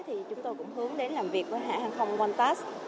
chúng tôi cũng hướng đến làm việc với hãng hàng không qantas